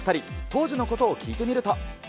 当時のことを聞いてみると。